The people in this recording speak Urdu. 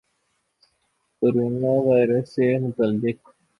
کورونا وائرس سے متعلق